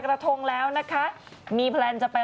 คนละพักไหม